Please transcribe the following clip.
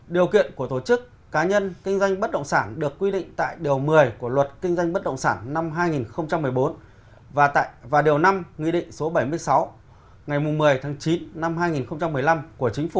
điều kiện của tổ chức cá nhân kinh doanh bất động sản được quy định tại điều một mươi của luật kinh doanh bất động sản năm hai nghìn một mươi bốn và điều năm nghị định số bảy mươi sáu ngày một mươi tháng chín năm hai nghìn một mươi năm của chính phủ